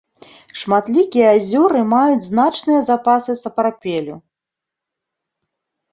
Шматлікія азёры маюць значныя запасы сапрапелю.